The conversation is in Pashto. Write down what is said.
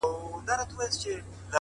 بيا ناڅاپه څوک يوه جمله ووايي او بحث سي،